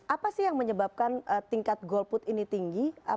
apa sih yang menyebabkan tingkat goal put ini tinggi